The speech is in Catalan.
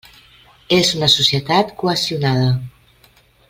És una societat cohesionada.